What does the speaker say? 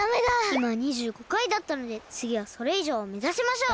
いま２５回だったのでつぎはそれいじょうをめざしましょう！だね！